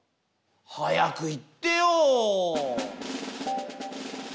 早く言ってよ！